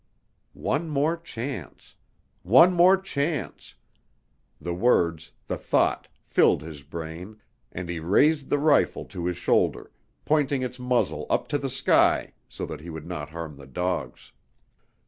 One more chance! One more chance! The words the thought filled his brain, and he raised the rifle to his shoulder, pointing its muzzle up to the sky so that he would not harm the dogs.